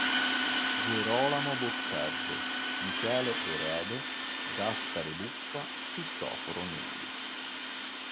Gerolamo Boccardo, Michele Erede, Gaspare Buffa, Cristoforo Negri.